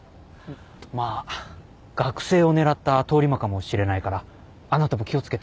まあ学生を狙った通り魔かもしれないからあなたも気を付けて。